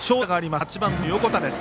８番の横田です。